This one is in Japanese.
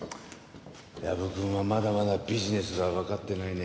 藪くんはまだまだビジネスがわかってないね。